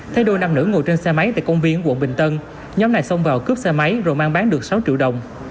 thấy đôi nam nữ ngồi trên xe máy tại công viên quận bình tân nhóm này xông vào cướp xe máy rồi mang bán được sáu triệu đồng